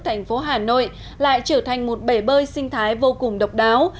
thành phố hà nội lại trở thành một bể bơi sinh thái vô cùng độc đáo